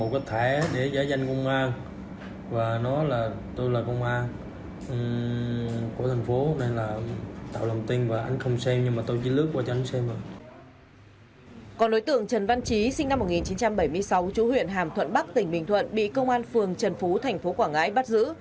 còn đối tượng trần văn chí sinh năm một nghìn chín trăm bảy mươi sáu chú huyện hàm thuận bắc tỉnh bình thuận bị công an phường trần phú thành phố quảng ngãi bắt giữ